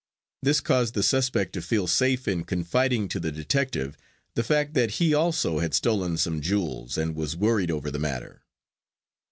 This caused the suspect to feel safe in confiding to the detective the fact that he also had stolen some jewels and was worried over the matter.